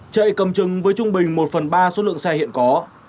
chạy cầm chừng với trung bình một phần ba số lượng xe hiện có